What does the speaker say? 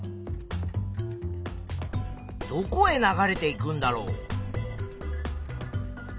どこへ流れていくんだろう？